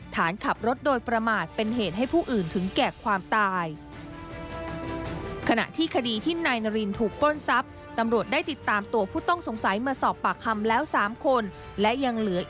ฐานขับรถโดยประมาทเป็นเหตุให้ผู้อื่นถึงแก่ความตาย